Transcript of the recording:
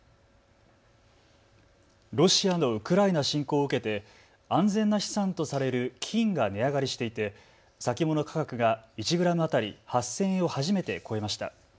ロシアのウクライナ侵攻を受けて安全な資産とされる金が値上がりしていて、先物価格が１グラム当たり８０００円を初めて超えました。